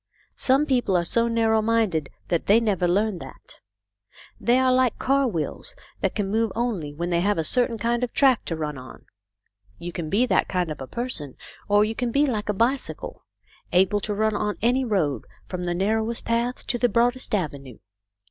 Some people are so narrow minded that they never learn that. They are like car wheels that can move only BACK TO THE CUCKOO'S NEST. 39 when they have a certain kind of track to run on. You can be that kind of a person, or you can be like a bicycle, able to run on any road, from the narrowest path to the broadest avenue.